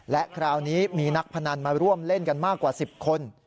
และคราวนี้มีนักพนันมาร่วมเล่นกันมากกว่า๑๐คน